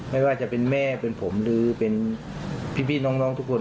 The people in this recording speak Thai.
ไม่ว่าจะเป็นแม่เป็นผมหรือเป็นพี่น้องทุกคน